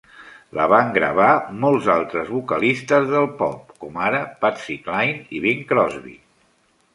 La van gravar molts altres vocalistes del pop, com ara Patsy Cline i Bing Crosby.